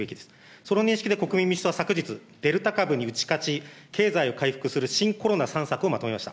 その認識で国民民主党は昨日、デルタ株に打ち勝ち、経済を回復する新コロナ３策をまとめました。